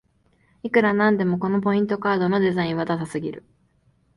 いくらなんでもこのポイントカードのデザインはダサすぎる